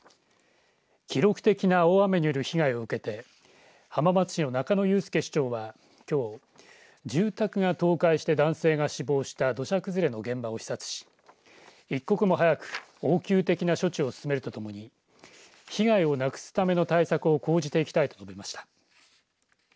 記録的な大雨による被害を受けて浜松市の中野祐介市長はきょう住宅が倒壊して男性が死亡した土砂崩れの現場を視察し一刻も早く応急的な処置を進めるとともに被害をなくすための対策を講じていきたいと述べました。